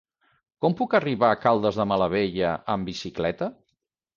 Com puc arribar a Caldes de Malavella amb bicicleta?